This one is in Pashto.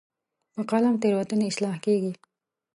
په قلم تیروتنې اصلاح کېږي.